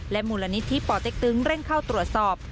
และหมู่ละนิทธิปเต๊กตึงเร่งเข้าตรวจสอบ